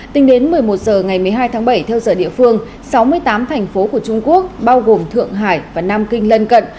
tính đến một mươi một h ngày một mươi hai tháng bảy theo giờ địa phương sáu mươi tám thành phố của trung quốc bao gồm thượng hải và nam kinh lân cận